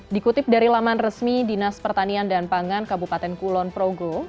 dikutip dari laman resmi dinas pertanian dan pangan kabupaten kulon progo